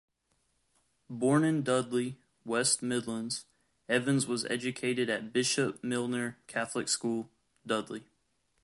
Born in Dudley, West Midlands, Evans was educated at Bishop Milner Catholic School, Dudley.